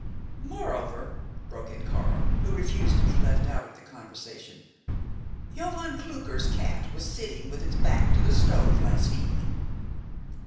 "Moreover," broke in Karl, who refused to be left out of the conversation, "Johann Klucker's cat was sitting with its back to the stove last evening."